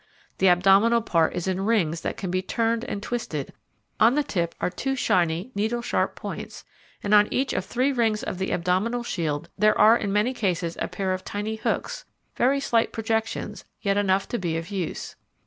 The abdominal part is in rings that can be turned and twisted; on the tip are two tiny, needlesharp points, and on each of three rings of the abdominal shield there are in many cases a pair of tiny hooks, very slight projections, yet enough to be of use.